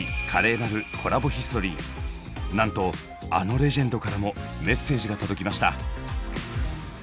なんとあのレジェンドからもメッセージが届きました。